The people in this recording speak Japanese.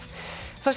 そして、